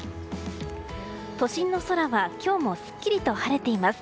都心の空は今日もすっきりと晴れています。